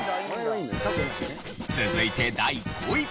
続いて第５位。